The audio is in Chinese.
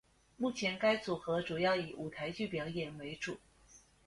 目前该组合主要以舞台剧表演为主。